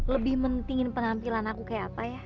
lebih mentingin pengampilan aku kayak apa ya